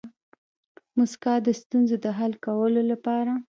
موسکا د ستونزو د حل کولو لپاره